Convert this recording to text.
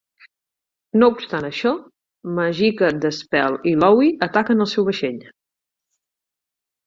No obstant això, Magica De Spell i Louhi ataquen el seu vaixell.